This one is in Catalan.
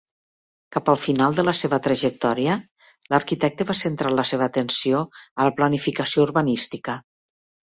Cap al final de la seva trajectòria, l'arquitecte va centrar la seva atenció a la planificació urbanística.